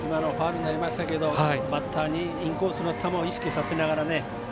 ファウルになりましたがバッターにインコースの球を意識させながらね。